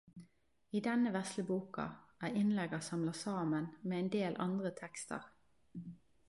I denne vesle boka er innlegga samla saman med ein del andre tekster.